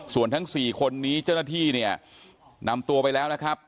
ส่วนทั้ง๔คนนี้เจ้าหน้าที่เนี่ยนำตัวไปแล้วนะครับ